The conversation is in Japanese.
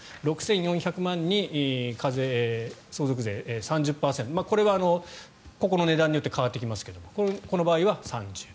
６４００万円に相続税３０％、これはここの値段で変わってきますがこの場合は３０％。